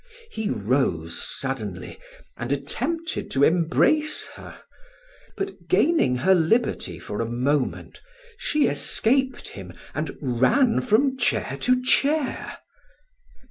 He rose suddenly and attempted to embrace her, but gaining her liberty for a moment, she escaped him and ran from chair to chair.